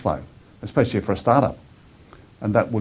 bagian penting dari pengembalian pajak kecil